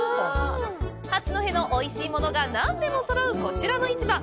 八戸のおいしいものが何でもそろうこちらの市場。